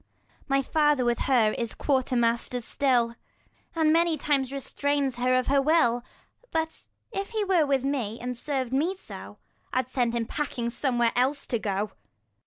My father with her is quarter master still, And many times restrains her of her will : But if he were with me, and serv'd me so, I 5 I'd send him packing somewhere else to go.